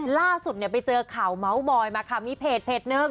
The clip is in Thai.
ล่าสุดไปเจอข่าวเมาว์บ่อยมาค่ะมีเพจ๑